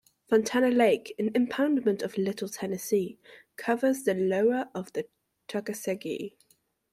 Fontana Lake, an impoundment of the Little Tennessee, covers the lower of the Tuckasegee.